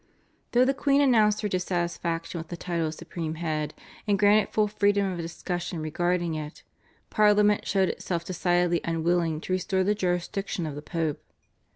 Though the queen announced her dissatisfaction with the title of supreme head, and granted full freedom of discussion regarding it, Parliament showed itself decidedly unwilling to restore the jurisdiction of the Pope.